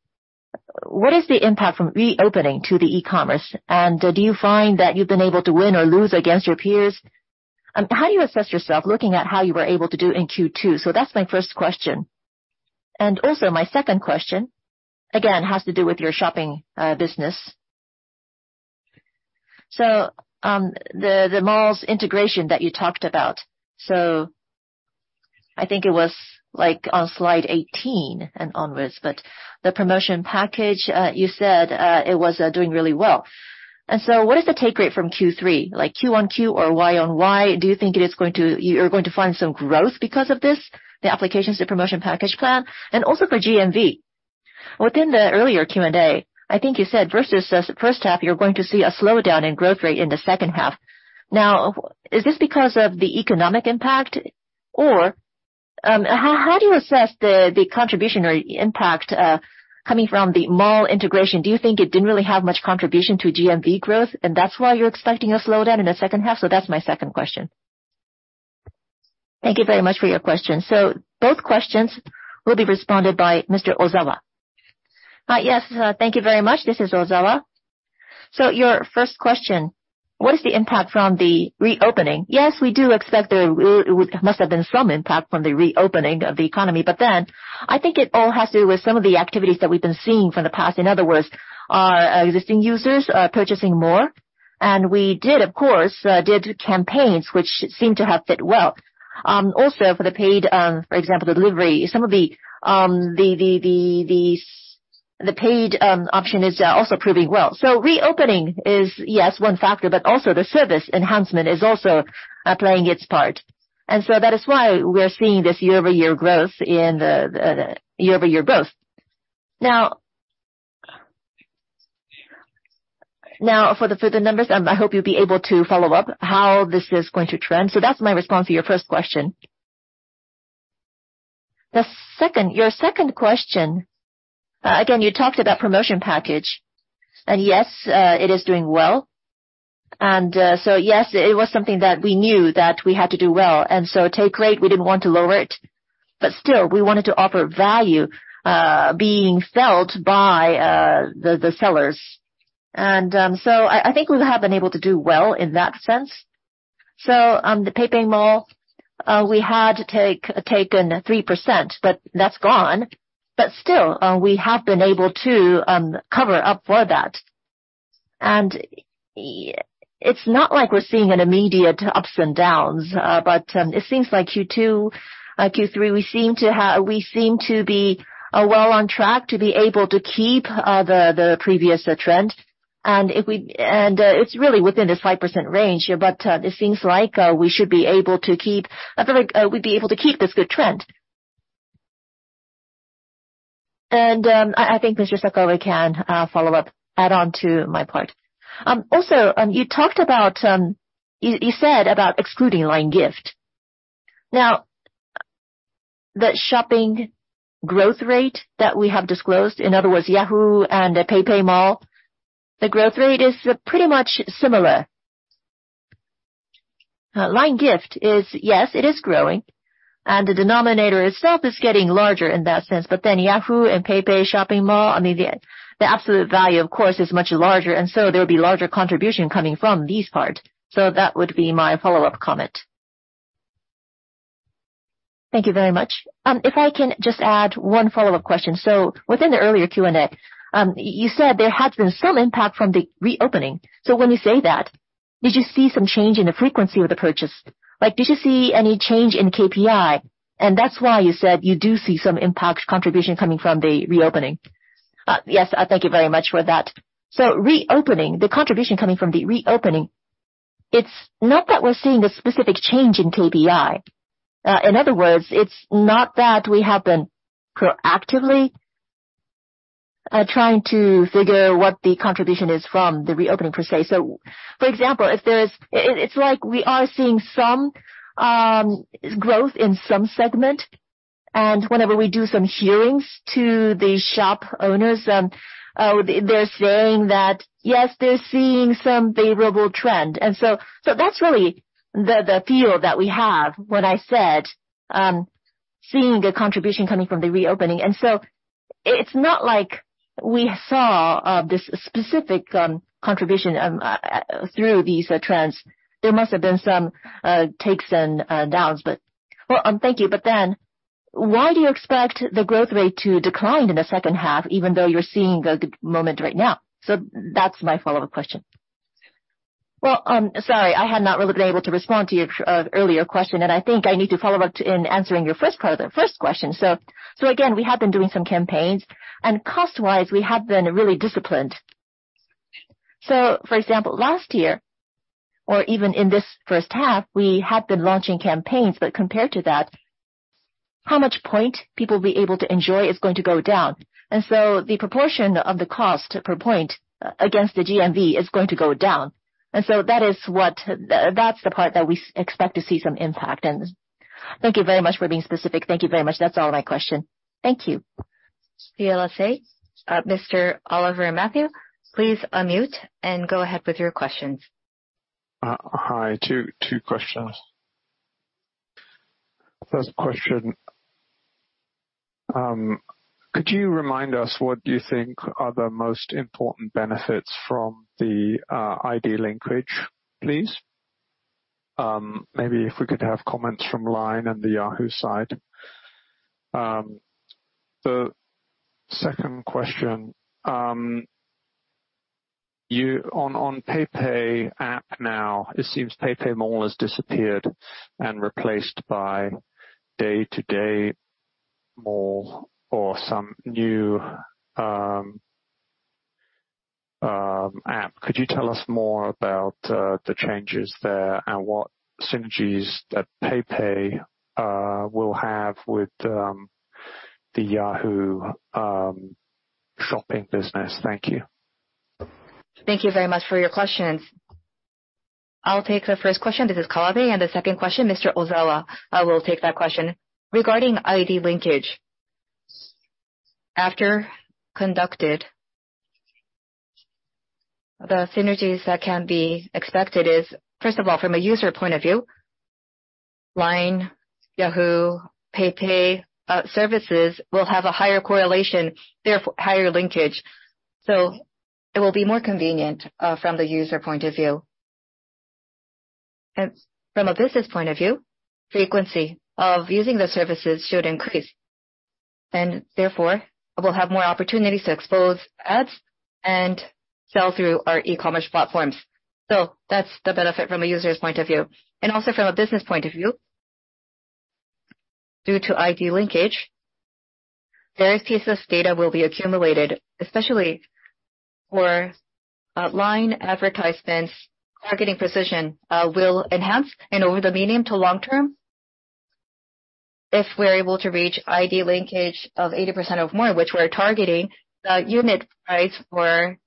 Speaker 10: what is the impact from reopening to the e-commerce? Do you find that you've been able to win or lose against your peers? How do you assess yourself looking at how you were able to do in Q2? That's my first question. My second question, again, has to do with your Shopping business. The Mall's integration that you talked about, so I think it was like on slide 18 and onwards, but the promotion package, you said, it was doing really well. What is the take rate from Q3, like Q-on-Q or Y-on-Y? Do you think you are going to find some growth because of this, the applications to promotion package plan? For GMV. Within the earlier Q&A, I think you said versus the first half, you are going to see a slowdown in growth rate in the second half. Is this because of the economic impact? Or, how do you assess the contribution or impact coming from the Mall integration? Do you think it didn't really have much contribution to GMV growth, and that's why you're expecting a slowdown in the second half? That's my second question.
Speaker 1: Thank you very much for your question. Both questions will be responded by Mr. Ozawa.
Speaker 8: Yes. Thank you very much. This is Ozawa. Your first question, what is the impact from the reopening? Yes, we do expect there must have been some impact from the reopening of the economy. But then I think it all has to do with some of the activities that we've been seeing from the past. In other words, our existing users are purchasing more. We did, of course, campaigns which seem to have fit well. Also, for the paid, for example, the delivery, some of the s- The paid option is also proving well. Reopening is, yes, one factor, but also the service enhancement is also playing its part. That is why we're seeing this year-over-year growth. Now for the numbers, I hope you'll be able to follow up how this is going to trend. That's my response to your first question. Your second question, again, you talked about promotion package. Yes, it is doing well. Yes, it was something that we knew that we had to do well. Take rate, we didn't want to lower it, but still we wanted to offer value being felt by the sellers. I think we have been able to do well in that sense. The PayPay Mall, we had taken 3%, but that's gone. Still, we have been able to cover up for that. It's not like we're seeing an immediate ups and downs, but it seems like Q2, Q3, we seem to be well on track to be able to keep the previous trend. It's really within this 5% range, but it seems like we should be able to keep we'd be able to keep this good trend. I think Mr. Sakaue can follow up, add on to my part.
Speaker 5: Also, you talked about you said about excluding LINE Gift. Now, the Shopping growth rate that we have disclosed, in other words, Yahoo. PayPay Mall, the growth rate is pretty much similar. LINE Gift is growing, and the denominator itself is getting larger in that sense. Yahoo Shopping and PayPay Mall, I mean, the absolute value, of course, is much larger, and there'll be larger contribution coming from these parts. That would be my follow-up comment.
Speaker 10: Thank you very much. If I can just add one follow-up question. Within the earlier Q&A, you said there had been some impact from the reopening. When you say that, did you see some change in the frequency of the purchase? Like, did you see any change in KPI, and that's why you said you do see some impact contribution coming from the reopening?
Speaker 8: Yes. Thank you very much for that. Reopening, the contribution coming from the reopening, it's not that we're seeing a specific change in KPI. In other words, it's not that we have been proactively trying to figure what the contribution is from the reopening per se. For example, it's like we are seeing some growth in some segment, and whenever we do some hearings with the shop owners, they're saying that, yes, they're seeing some favorable trend. That's really the feel that we have when I said seeing a contribution coming from the reopening. It's not like we saw this specific contribution through these trends. There must have been some ups and downs,
Speaker 10: well, thank you. Why do you expect the growth rate to decline in the second half even though you're seeing a good moment right now? That's my follow-up question.
Speaker 8: Well, sorry, I had not really been able to respond to your earlier question, and I think I need to follow up in answering your first part of the first question. Again, we have been doing some campaigns. Cost-wise, we have been really disciplined. For example, last year or even in this first half, we had been launching campaigns. Compared to that, how much points people will be able to enjoy is going to go down. The proportion of the cost per point against the GMV is going to go down. That's the part that we expect to see some impact.
Speaker 10: Thank you very much for being specific. Thank you very much. That's all my question. Thank you.
Speaker 3: CLSA, Mr. Oliver Matthew, please unmute and go ahead with your questions.
Speaker 11: Hi. Two questions. First question, could you remind us what you think are the most important benefits from the ID linkage, please? Maybe if we could have comments from LINE and the Yahoo side. The second question, on the PayPay app now, it seems PayPay Mall has disappeared and replaced by Day-to-Day Mall or some new app. Could you tell us more about the changes there and what synergies that PayPay will have with the Yahoo Shopping business? Thank you.
Speaker 1: Thank you very much for your questions. I'll take the first question, this is Kawabe, and the second question, Mr. Ozawa, will take that question. Regarding ID linkage, after conducted, the synergies that can be expected is, first of all, from a user point of view, LINE, Yahoo, PayPay, services will have a higher correlation, therefore higher linkage. It will be more convenient, from the user point of view. From a business point of view, frequency of using the services should increase, and therefore we'll have more opportunities to expose ads and sell through our e-commerce platforms. That's the benefit from a user's point of view. Also from a business point of view. Due to ID linkage, various pieces of data will be accumulated, especially for LINE advertisements, targeting precision will enhance. Over the medium to long term, if we're able to reach ID linkage of 80% or more, which we're targeting, the unit price for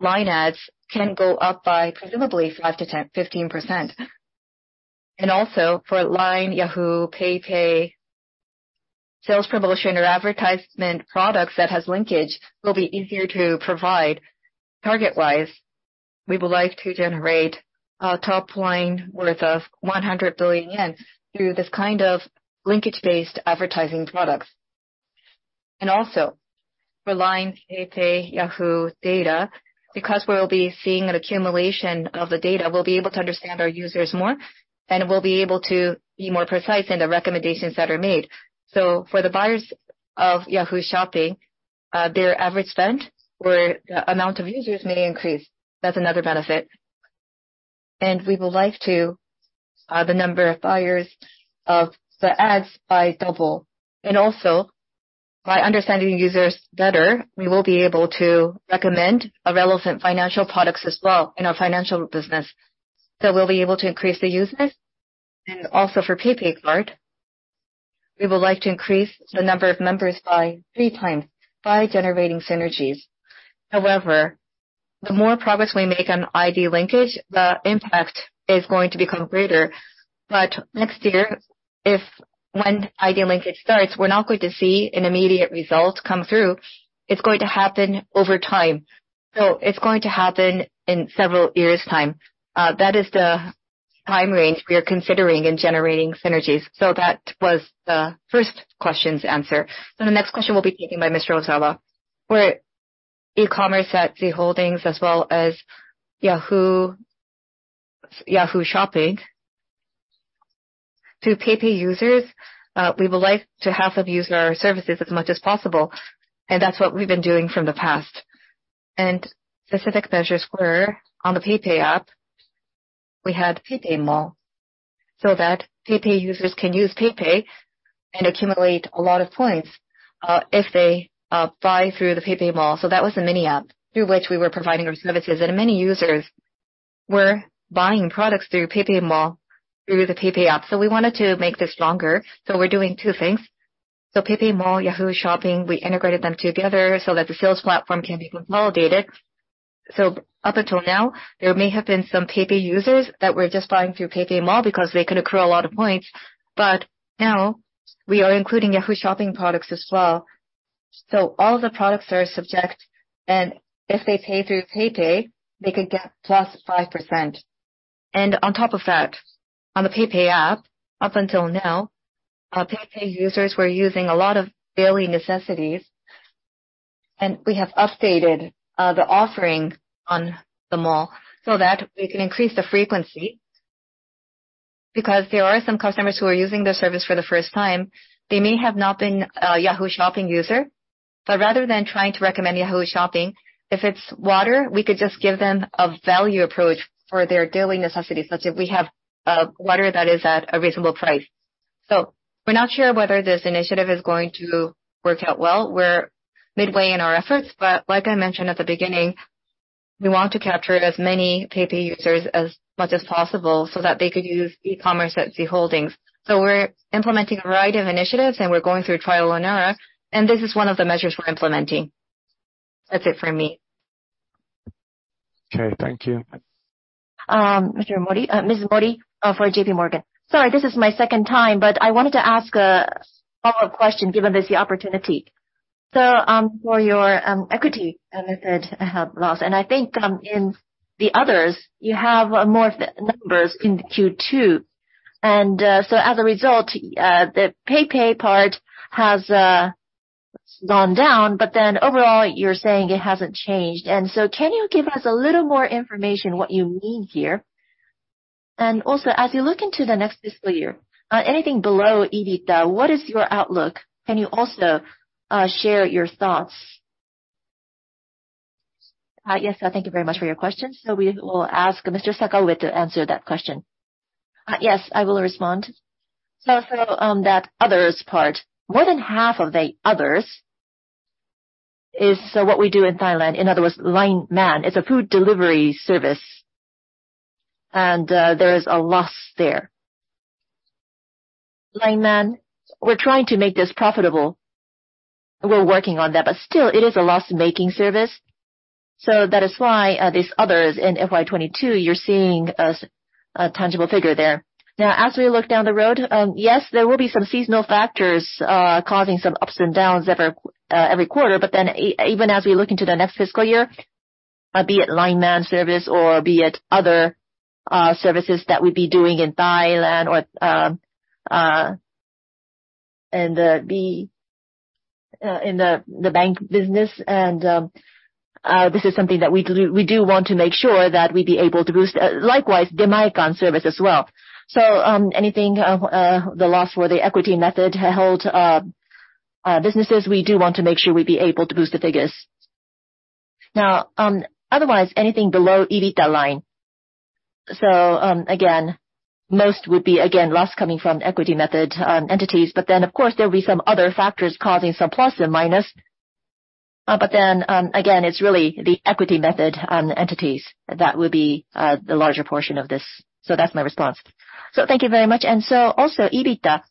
Speaker 1: LINE ads can go up by presumably 5%-10%, 15%. Also for LINE, Yahoo, PayPay sales promotion or advertisement products that has linkage will be easier to provide target-wise. We would like to generate a top line worth of 100 billion yen through this kind of linkage-based advertising products. Also for LINE, PayPay, Yahoo, data, because we will be seeing an accumulation of the data, we'll be able to understand our users more, and we'll be able to be more precise in the recommendations that are made. For the buyers of Yahoo Shopping, their average spend or the amount of users may increase. That's another benefit. We would like to double the number of buyers for the ads. Also by understanding users better, we will be able to recommend relevant financial products as well in our financial business. We'll be able to increase the users. Also for PayPay Card, we would like to increase the number of members by 3x by generating synergies. However, the more progress we make on ID linkage, the impact is going to become greater. Next year, when ID linkage starts, we're not going to see an immediate result come through. It's going to happen over time. It's going to happen in several years' time. That is the time range we are considering in generating synergies. That was the first question's answer. The next question will be taken by Mr. Ozawa.
Speaker 8: For e-commerce at Z Holdings as well as Yahoo Shopping, to PayPay users, we would like to have them use our services as much as possible, and that's what we've been doing from the past. Specific measures were on the PayPay app, we had PayPay Mall so that PayPay users can use PayPay and accumulate a lot of points, if they buy through the PayPay Mall. That was the mini app through which we were providing our services. Many users were buying products through PayPay Mall, through the PayPay app. We wanted to make this stronger, so we're doing two things. PayPay Mall, Yahoo Shopping, we integrated them together so that the sales platform can become more validated. Up until now, there may have been some PayPay users that were just buying through PayPay Mall because they could accrue a lot of points, but now we are including Yahoo Shopping products as well. All the products are subject, and if they pay through PayPay, they could get +5%. On top of that, on the PayPay app, up until now, our PayPay users were using a lot of daily necessities. We have updated the offering on the Mall so that we can increase the frequency, because there are some customers who are using the service for the first time. They may have not been a Yahoo Shopping user, but rather than trying to recommend Yahoo Shopping, if it's water, we could just give them a value approach for their daily necessities. Let's say we have water that is at a reasonable price. We're not sure whether this initiative is going to work out well. We're midway in our efforts, but like I mentioned at the beginning, we want to capture as many PayPay users as much as possible so that they could use e-commerce at Z Holdings. We're implementing a variety of initiatives, and we're going through trial and error, and this is one of the measures we're implementing. That's it for me.
Speaker 11: Okay, thank you.
Speaker 3: Mr. Mori from J.P. Morgan.
Speaker 6: Sorry, this is my second time, but I wanted to ask a follow-up question given this, the opportunity. For your equity method loss, and I think in the others, you have more numbers in Q2. As a result, the PayPay part has gone down, but then overall, you're saying it hasn't changed. Can you give us a little more information what you mean here? Also, as you look into the next fiscal year, anything below EBITDA, what is your outlook? Can you also share your thoughts?
Speaker 1: Yes. Thank you very much for your question. We will ask Mr. Sakaue to answer that question.
Speaker 5: Yes, I will respond. That others part, more than half of the others is what we do in Thailand. In other words, LINE MAN is a food delivery service, and there is a loss there. LINE MAN, we're trying to make this profitable. We're working on that, but still it is a loss-making service. That is why these others in FY 2022, you're seeing a tangible figure there. Now, as we look down the road, yes, there will be some seasonal factors causing some ups and downs every quarter. Even as we look into the next fiscal year, be it LINE MAN service or be it other services that we'd be doing in Thailand or in the bank business and this is something that we do want to make sure that we'd be able to boost likewise Demae-can service as well. So anything the loss for the equity method to help businesses we do want to make sure we'd be able to boost the figures. Now, otherwise anything below EBITDA line. Again, most would be loss coming from equity method entities, but of course there'll be some other factors causing some plus and minus. Again, it's really the equity method on entities that would be the larger portion of this. That's my response.
Speaker 6: Thank you very much. Also EBITDA.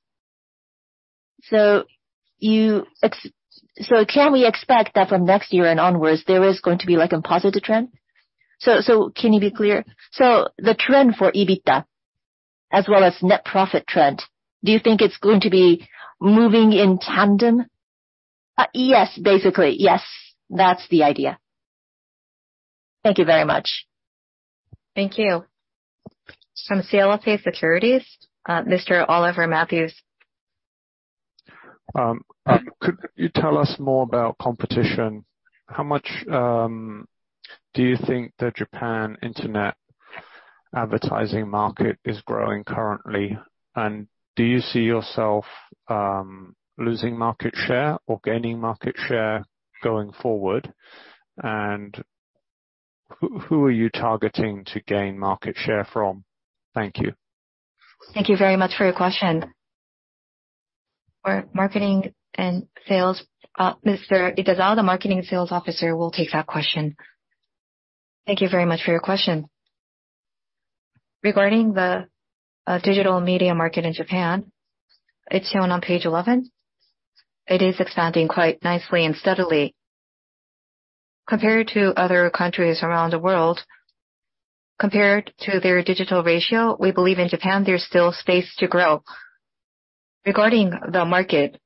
Speaker 6: Can we expect that from next year and onwards there is going to be like a positive trend? Can you be clear? The trend for EBITDA as well as net profit trend, do you think it's going to be moving in tandem?
Speaker 5: Yes, basically, yes. That's the idea.
Speaker 6: Thank you very much.
Speaker 3: Thank you. From CLSA Securities, Mr. Oliver Matthew.
Speaker 11: Could you tell us more about competition? How much do you think the Japan internet advertising market is growing currently? Do you see yourself losing market share or gaining market share going forward? Who are you targeting to gain market share from? Thank you.
Speaker 1: Thank you very much for your question. Our marketing and sales, Mr. Idezawa, the marketing sales officer, will take that question.
Speaker 2: Thank you very much for your question. Regarding the digital media market in Japan, it's shown on page 11. It is expanding quite nicely and steadily. Compared to other countries around the world, compared to their digital ratio, we believe in Japan there's still space to grow. Regarding the market,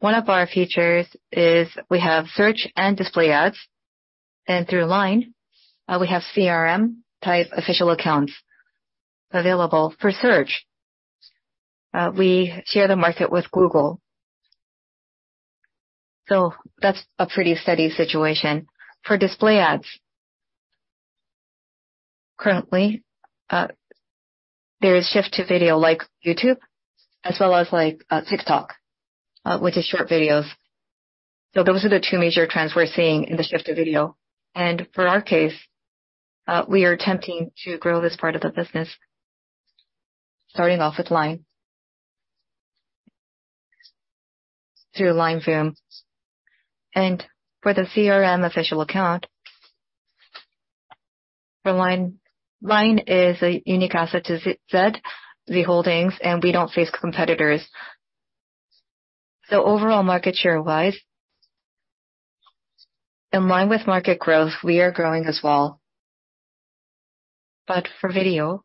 Speaker 2: one of our features is we have search and display ads, and through LINE, we have CRM type official accounts available for search. We share the market with Google. So that's a pretty steady situation. For display ads, currently, there is shift to video like YouTube, as well as like, TikTok, which is short videos. So those are the two major trends we're seeing in the shift to video. For our case, we are attempting to grow this part of the business, starting off with LINE through LINE Film. For the CRM official account, for LINE is a unique asset to Z Holdings, and we don't face competitors. Overall market share-wise, in line with market growth, we are growing as well. For video,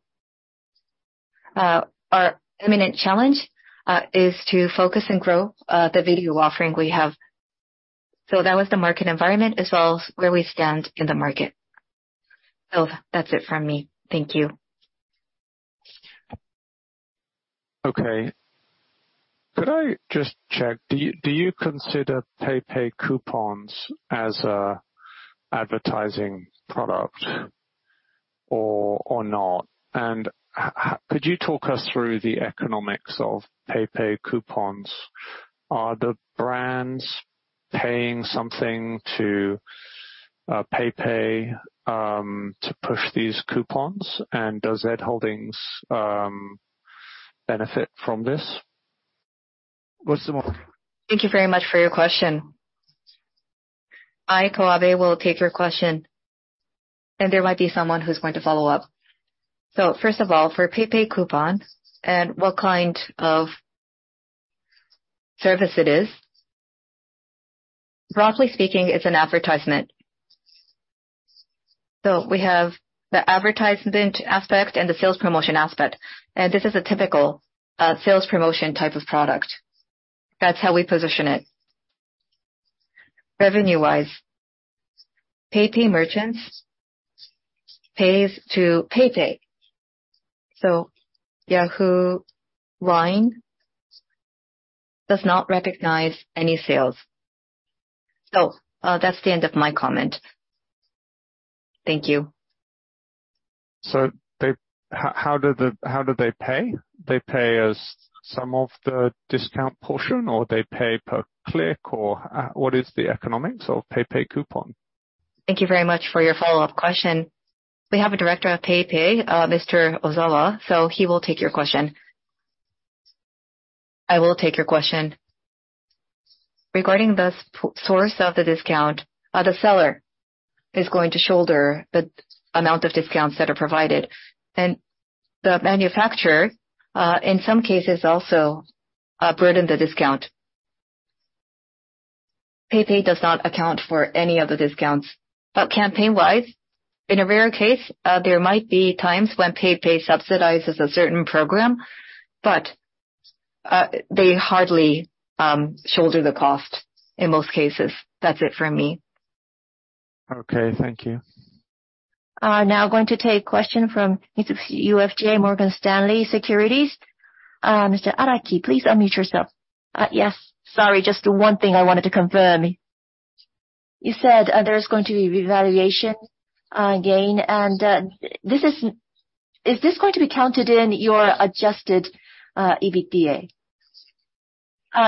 Speaker 2: our imminent challenge is to focus and grow the video offering we have. That was the market environment as well as where we stand in the market. That's it from me. Thank you.
Speaker 11: Okay. Could I just check, do you consider PayPay coupons as an advertising product or not? Could you talk us through the economics of PayPay coupons? Are the brands paying something to PayPay to push these coupons? Does Z Holdings benefit from this?
Speaker 1: Thank you very much for your question. I, Kawabe, will take your question. There might be someone who's going to follow up. First of all, for PayPay Coupon and what kind of service it is, broadly speaking, it's an advertisement. We have the advertisement aspect and the sales promotion aspect, and this is a typical sales promotion type of product. That's how we position it. Revenue-wise, PayPay merchants pays to PayPay. Yahoo, LINE does not recognize any sales. That's the end of my comment. Thank you.
Speaker 11: How do they pay? They pay as some of the discount portion or they pay per click or what is the economics of PayPay Coupon?
Speaker 1: Thank you very much for your follow-up question. We have a director of PayPay, Mr. Ozawa, so he will take your question.
Speaker 8: I will take your question. Regarding the source of the discount, the seller is going to shoulder the amount of discounts that are provided. The manufacturer, in some cases also, burden the discount. PayPay does not account for any of the discounts. Campaign-wise, in a rare case, there might be times when PayPay subsidizes a certain program, but they hardly shoulder the cost in most cases. That's it from me.
Speaker 11: Okay, thank you.
Speaker 3: Now going to take question from MUFG Morgan Stanley Securities. Mr. Araki, please unmute yourself.
Speaker 12: Yes, sorry, just one thing I wanted to confirm. You said there is going to be revaluation again, and is this going to be counted in your adjusted EBITDA?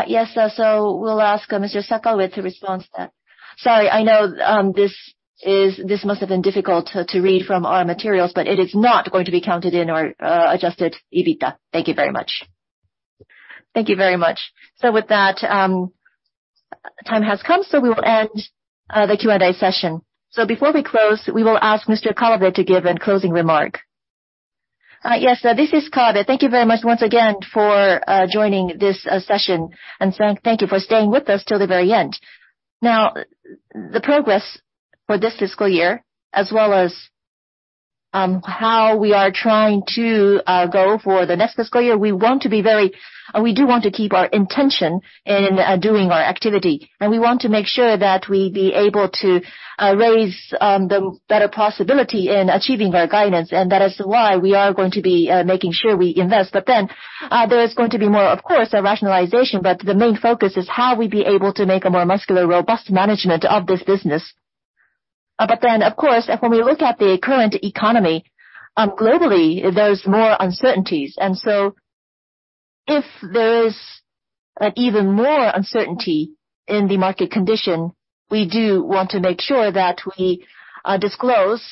Speaker 1: Yes. We'll ask Mr. Sakaue with the response then.
Speaker 5: Sorry, I know, this is, this must have been difficult to read from our materials, but it is not going to be counted in our adjusted EBITDA. Thank you very much.
Speaker 3: Thank you very much. With that, time has come, so we will end the Q&A session. Before we close, we will ask Mr. Kawabe to give a closing remark.
Speaker 1: Yes. This is Kawabe. Thank you very much once again for joining this session. Thank you for staying with us till the very end. Now, the progress for this fiscal year, as well as how we are trying to go for the next fiscal year, we want to be, we do want to keep our intention in doing our activity. We want to make sure that we be able to raise the better possibility in achieving our guidance, and that is why we are going to be making sure we invest. There is going to be more, of course, a rationalization, but the main focus is how we be able to make a more muscular, robust management of this business. Of course, when we look at the current economy, globally, there's more uncertainties. If there is an even more uncertainty in the market condition, we do want to make sure that we disclose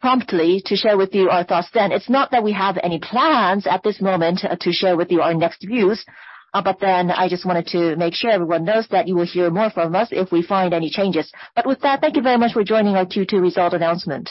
Speaker 1: promptly to share with you our thoughts then. It's not that we have any plans at this moment to share with you our next views, but then I just wanted to make sure everyone knows that you will hear more from us if we find any changes. With that, thank you very much for joining our Q2 result announcement.